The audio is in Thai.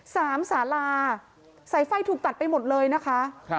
สาลาสายไฟถูกตัดไปหมดเลยนะคะครับ